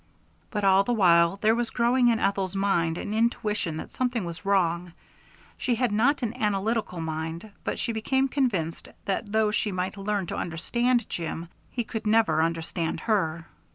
But all the while there was growing in Ethel's mind an intuition that something was wrong. She had not an analytical mind, but she became convinced that though she might learn to understand Jim, he could never understand her.